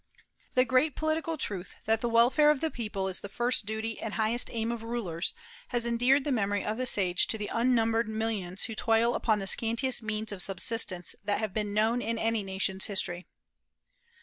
The great political truth that the welfare of the people is the first duty and highest aim of rulers, has endeared the memory of the sage to the unnumbered millions who toil upon the scantiest means of subsistence that have been known in any nation's history.